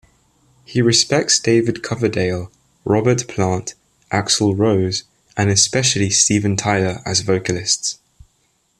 He respects David Coverdale, Robert Plant, Axl Rose, and especially Steven Tyler as vocalists.